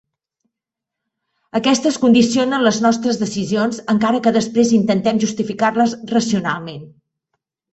Aquestes condicionen les nostres decisions, encara que després intentem justificar-les racionalment.